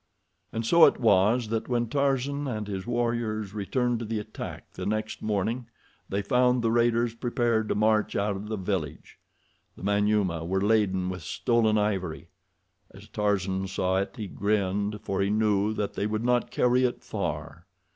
And so it was that when Tarzan and his warriors returned to the attack the next morning they found the raiders prepared to march out of the village. The Manyuema were laden with stolen ivory. As Tarzan saw it he grinned, for he knew that they would not carry it far.